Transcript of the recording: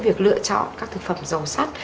việc lựa chọn các thực phẩm giàu sắc